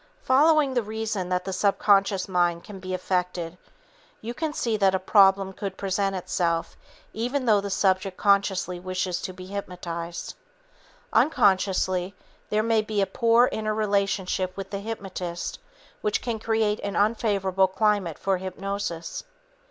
Following the reasoning that the subconscious mind can be affected, you can see that a problem could present itself even though the subject consciously wishes to be hypnotized. Unconsciously, there may be a poor interrelationship with the hypnotist which can create an unfavorable climate for hypnosis.